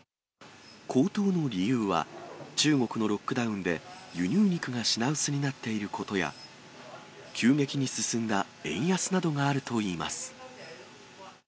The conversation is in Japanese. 高騰の理由は、中国のロックダウンで輸入肉が品薄になっていることや、急激に進んだ円安などがあるといいます。